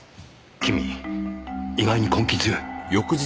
君意外に根気強い。